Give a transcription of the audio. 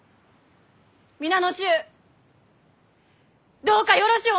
皆の衆どうかよろしゅう